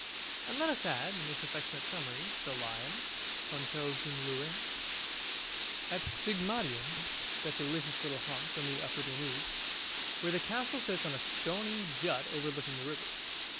And let us add, in this affectionate summary, The Lion (Hotel zum Löwen) at Sigmaringen, that delicious little haunt on the upper Danube, where the castle sits on a stony jut overlooking the river.